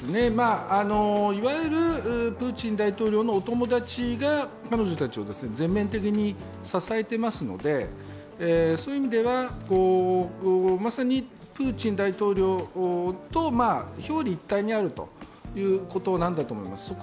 いわゆるプーチン大統領のお友達が彼女たちを全面的に支えていますので、そういう意味では、まさにプーチン大統領と表裏一体にあるということなんだと思います。